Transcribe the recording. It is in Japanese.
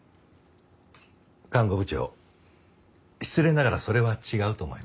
看護部長失礼ながらそれは違うと思います。